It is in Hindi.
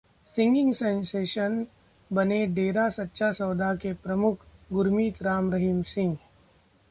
'सिंगिंग सेंसेशन' बने डेरा सच्चा सौदा के प्रमुख गुरुमीत राम रहीम सिंह